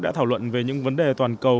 đã thảo luận về những vấn đề toàn cầu